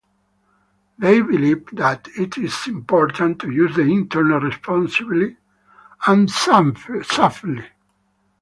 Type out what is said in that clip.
They believe that it is important to use the Internet responsibly and safely.